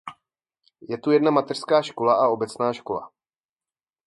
Je tu jedna mateřská škola a obecná škola.